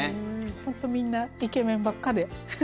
ホントみんなイケメンばっかでフフ。